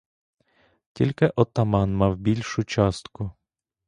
Тільки отаман мав більшу частку.